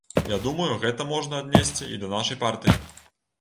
Я думаю, гэта можна аднесці і да нашай партыі.